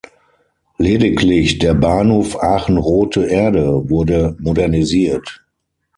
Lediglich der Bahnhof Aachen-Rothe Erde wurde modernisiert.